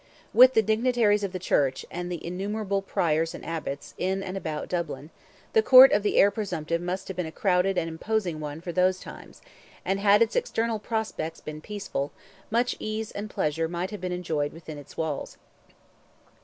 With the dignitaries of the Church, and the innumerable priors and abbots, in and about Dublin, the court of the Heir Presumptive must have been a crowded and imposing one for those times, and had its external prospects been peaceful, much ease and pleasure might have been enjoyed within its walls.